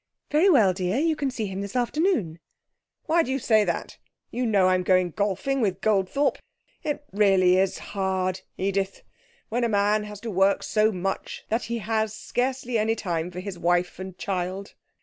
'Very well, dear. You can see him this afternoon.' 'Why do you say that? You know I'm going golfing with Goldthorpe! It really is hard, Edith, when a man has to work so much that he has scarcely any time for his wife and child.'